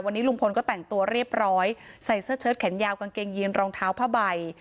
วันนี้ลุงพลก็แต่งตัวเรียบร้อยใส่เสื้อเชิดแขนยาวกางเกงยีนรองเท้าผ้าใบ